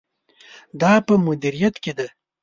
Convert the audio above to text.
دا په مدیریت کې ده.